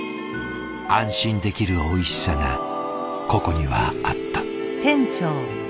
安心できるおいしさがここにはあった。